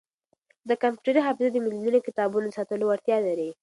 دا کمپیوټري حافظه د ملیونونو کتابونو د ساتلو وړتیا لري.